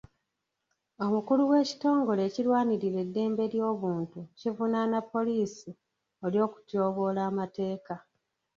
Omukulu w'ekitongole ekirwanirira eddembe ly'obuntu kivunaana poliisi olw'okutyoboola amateeka.